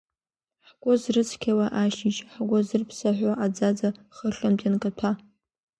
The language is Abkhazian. Ҳгәы зрыцқьауа ашьыжь, ҳгәы зырԥсаҳәо аӡаӡа хыхьынтә ианкаҭәа…